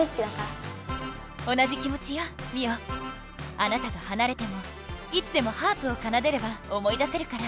あなたとはなれてもいつでもハープをかなでれば思い出せるから。